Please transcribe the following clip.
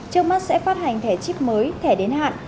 trước mắt sẽ phát hành thẻ chip mới thẻ đến hạn